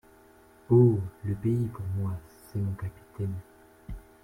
Oh ! le pays pour moi… c’est mon capitaine !